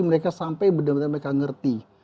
mereka sampai benar benar mereka ngerti